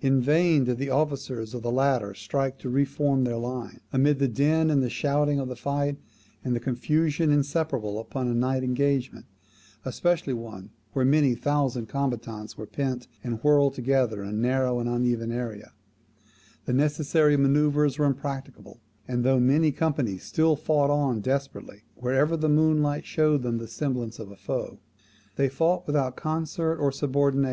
In vain did the officers of the latter strive to re form their line. Amid the din and the shouting of the fight, and the confusion inseparable upon a night engagement, especially one where many thousand combatants were pent and whirled together in a narrow and uneven area, the necessary manoeuvres were impracticable; and though many companies still fought on desperately, wherever the moonlight showed them the semblance of a foe, [THUC. vii.